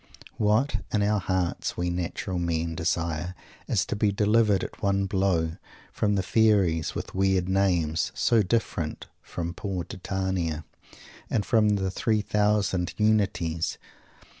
What, in our hearts, we natural men desire is to be delivered at one blow from the fairies with weird names (so different from poor Titania!), and from the three thousand "Unities!"